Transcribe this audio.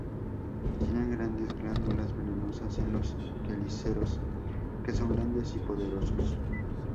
Tienen grandes glándulas venenosas en los quelíceros, que son grandes y poderosos.